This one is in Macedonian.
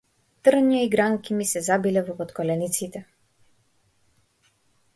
Трња и гранки ми се забиле во потколениците.